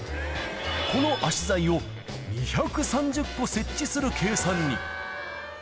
この脚材を２３０個設置する計算に。